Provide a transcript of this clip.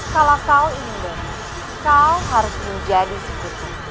kalau kau ini memang kau harus menjadi zikuti